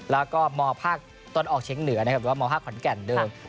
แล้วก็มภต้นออกเชียงเหนือนะครับหรือว่ามภขวัญแก่นเหมือนเดิม